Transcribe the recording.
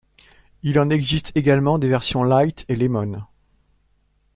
Il en existe également des versions light et lemon.